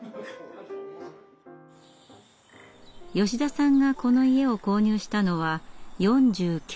吉田さんがこの家を購入したのは４９歳の時。